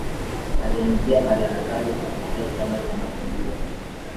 Aliingia madarakani kupitia chama Cha Mapinduzi